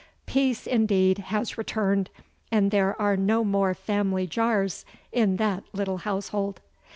Peace, indeed, has returned and there are no more family jars in that little household.